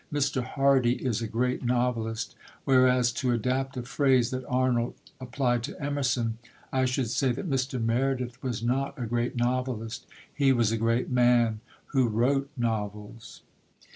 Mr. Hardy is a great novelist; whereas to adapt a phrase that Arnold applied to Emerson, I should say that Mr. Meredith was not a great novelist; he was a great man who wrote novels.